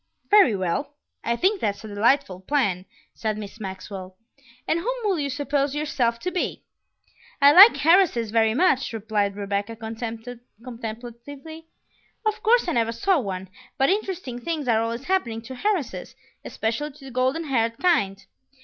"Very well; I think that's a delightful plan," said Miss Maxwell; "and whom will you suppose yourself to be?" "I like heiresses very much," replied Rebecca contemplatively. "Of course I never saw one, but interesting things are always happening to heiresses, especially to the golden haired kind.